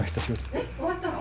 えっ終わったの？